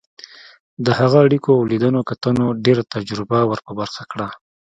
د هغه اړیکو او لیدنو کتنو ډېره تجربه ور په برخه کړه.